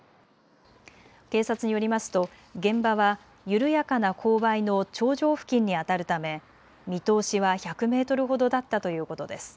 警察によりますと現場は緩やかな勾配の頂上付近にあたるため見通しは１００メートルほどだったということです。